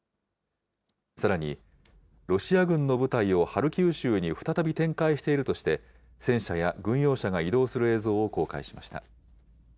さらに、ロシア軍の部隊をハルキウ州に再び展開しているとして、戦車や軍用車が移動する映像を公開しました。